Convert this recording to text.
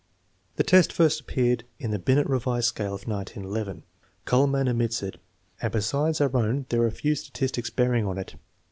The test first appeared in the Binet revised scale of 1911. Kuhlmann omits it, and besides our own there are few statis tics bearing on it.